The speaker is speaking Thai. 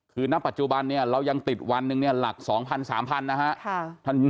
คือณปัจจุบันเรายังติดวันหนึ่งหลัก๒๐๐๐๓๐๐๐นะครับ